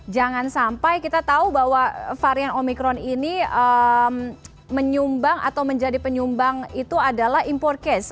jangan sampai kita tahu bahwa varian omikron ini menyumbang atau menjadi penyumbang itu adalah impor case